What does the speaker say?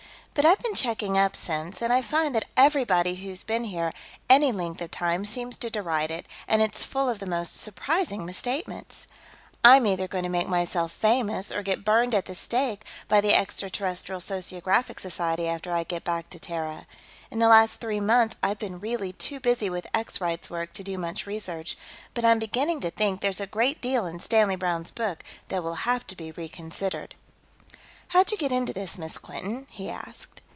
But I've been checking up, since, and I find that everybody who's been here any length of time seems to deride it, and it's full of the most surprising misstatements. I'm either going to make myself famous or get burned at the stake by the Extraterrestrial Sociographic Society after I get back to Terra. In the last three months, I've been really too busy with Ex Rights work to do much research, but I'm beginning to think there's a great deal in Stanley Browne's book that will have to be reconsidered." "How'd you get into this, Miss Quinton?" he asked.